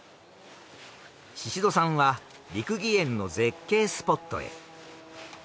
シシドさんは六義園の絶景スポットへ。